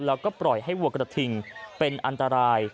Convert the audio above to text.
แล้วก็ปล่อยให้วัวกระทิงเป็นอันตราย